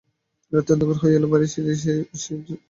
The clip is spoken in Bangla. রাত্রি অন্ধকার হয়ে এল– বাইরে সিঁড়িতে ঐ সেই পরিচিত জুতোর শব্দ।